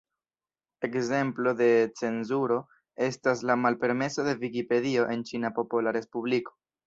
Ekzemplo de cenzuro estas la malpermeso de Vikipedio en Ĉina Popola Respubliko.